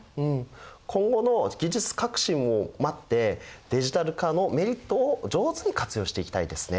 今後の技術革新を待ってディジタル化のメリットを上手に活用していきたいですね。